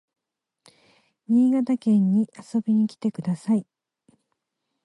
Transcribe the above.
新潟県に遊びに来てください